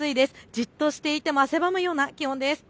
じっとしていても汗ばむような気温です。